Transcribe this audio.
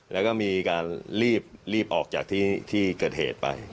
แล้วก็มีการรีบออกจากที่เกิดเหตุไป